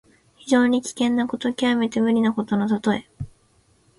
非常に危険なこと、きわめて無理なことのたとえ。